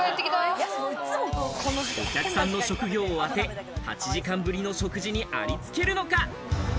お客さんの職業を当て、８時間ぶりの食事にありつけるのか？